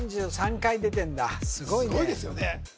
３３回出てんだすごいねすごいですよね